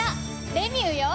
レミューよ！